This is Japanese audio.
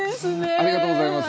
ありがとうございます。